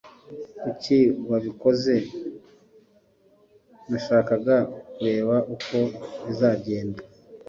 Kuki wabikoze?" "Nashakaga kureba uko bizagenda."